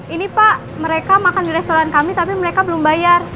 ini pak mereka makan di restoran kami tapi mereka belum bayar